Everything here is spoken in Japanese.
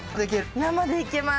生でいけます。